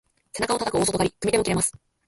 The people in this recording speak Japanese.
背中をたたく大外刈り、組み手も切れます。